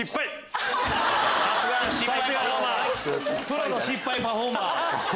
プロの失敗パフォーマー。